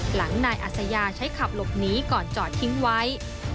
หลังนายอัศยาใช้ขับหลบหนีก่อนจอดทิ้งไว้